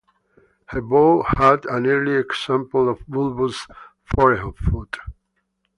Her bow had an early example of bulbous forefoot.